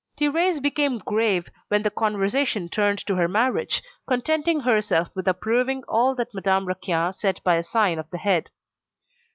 Thérèse became grave when the conversation turned to her marriage, contenting herself with approving all that Madame Raquin said by a sign of the head.